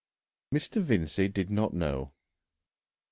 Mr. Vincey did not know. Mr.